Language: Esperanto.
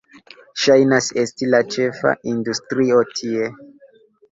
Ŝajnas esti la ĉefa industrio tie.